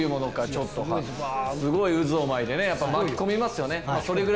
すごい渦を巻いてね巻き込みますよね。